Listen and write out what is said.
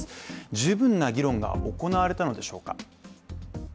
十分な議論が行われたのでしょうか。